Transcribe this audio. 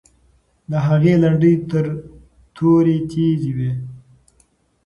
د هغې لنډۍ تر تورې تیزې وې.